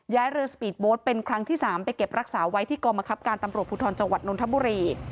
เรือสปีดโบ๊ทเป็นครั้งที่๓ไปเก็บรักษาไว้ที่กรมคับการตำรวจภูทรจังหวัดนทบุรี